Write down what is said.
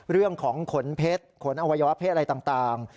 เรื่องของขนเพชรขนอวัยวะเพชรอะไรต่าง